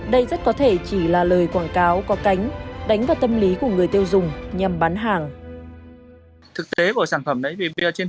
đây rất có thể chỉ là lời quảng cáo có cánh đánh vào tâm lý của người tiêu dùng nhằm bán hàng